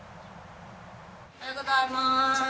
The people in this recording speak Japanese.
おはようございまーす。